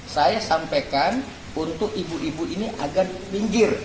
saya sampaikan untuk ibu ibu ini agar pinggir